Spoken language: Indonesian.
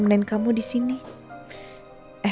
ada di rh